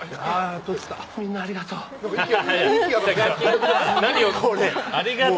みんなありがとう。